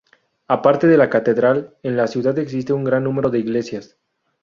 Aparte de la catedral, en la ciudad existe un gran número de iglesias.